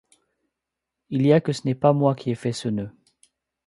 Il y a que ce n’est pas moi qui ai fait ce nœud !